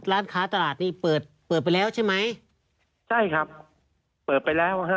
ร้านค้าตลาดนี่เปิดเปิดไปแล้วใช่ไหมใช่ครับเปิดไปแล้วฮะ